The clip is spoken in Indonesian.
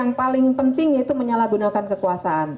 yang paling penting yaitu menyalahgunakan kekuasaan